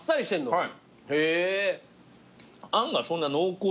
はい。